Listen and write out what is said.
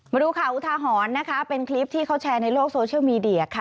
มาดูข่าวอุทาหรณ์นะคะเป็นคลิปที่เขาแชร์ในโลกโซเชียลมีเดียค่ะ